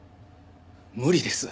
無理です。